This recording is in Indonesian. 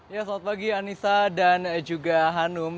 ya selamat pagi anissa dan juga hanum